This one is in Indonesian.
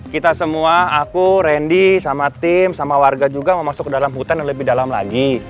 kita semua aku randy sama tim sama warga juga mau masuk ke dalam hutan yang lebih dalam lagi